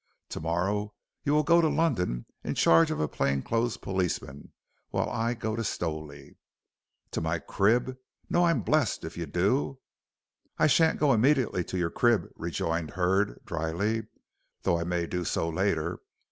To morrow morning you will go to London in charge of a plain clothes policeman, while I go to Stowley." "To my crib. No, I'm blest if you do." "I sha'n't go immediately to your crib," rejoined Hurd, dryly, "though I may do so later.